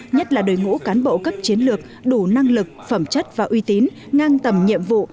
nhất là đối ngũ cán bộ cấp chiến lược đủ năng lực phẩm chất và uy tín ngang tầm nhiệm vụ